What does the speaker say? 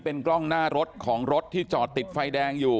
เป็นกล้องหน้ารถของรถที่จอดติดไฟแดงอยู่